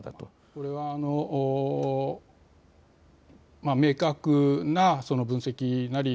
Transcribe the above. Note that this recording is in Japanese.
これは明確な分析なり